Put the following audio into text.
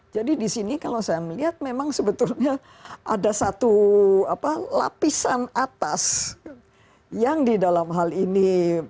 di sini kalau saya melihat memang sebetulnya ada satu lapisan atas yang di dalam hal ini